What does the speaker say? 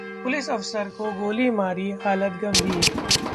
police अफसर को गोली मारी, हालत गंभीर